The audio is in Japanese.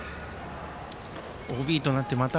ＯＢとなってまた